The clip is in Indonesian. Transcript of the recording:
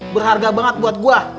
berharga banget buat gue